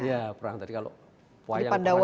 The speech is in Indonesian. ya perang tadi kalau wayang itu